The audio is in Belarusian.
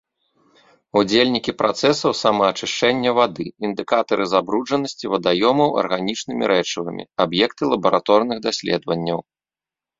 Удзельнікі працэсаў самаачышчэння вады, індыкатары забруджанасці вадаёмаў арганічнымі рэчывамі, аб'екты лабараторных даследаванняў.